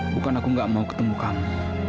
bukan aku gak mau ketemu kami